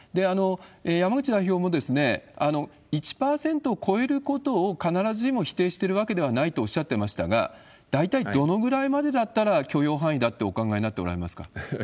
山口代表も、１％を超えることを必ずしも否定しているわけではないとおっしゃってましたが、大体どのぐらいまでだったら許容範囲だと考えていらっしゃいますか。